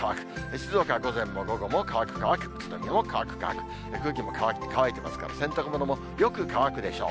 静岡は午前も午後も乾く、乾く、乾く、乾く、空気も乾いてますから、洗濯物もよく乾くでしょう。